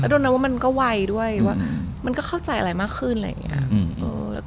โดนนับว่ามันก็ไวด้วยว่ามันก็เข้าใจอะไรมากขึ้นอะไรอย่างนี้